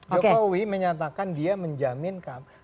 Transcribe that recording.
jokowi menyatakan dia menjamin